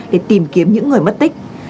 để tìm kiếm những người mất tích